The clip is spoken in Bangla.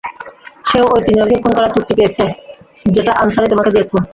সেও ওই তিনজনকে খুন করার চুক্তি পেয়েছে, যেটা আনসারী তোমাকে দিয়েছে।